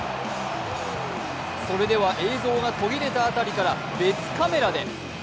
それでは映像が途切れたあたりから別カメラで。